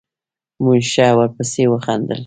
موږ ښه ورپسې وخندل.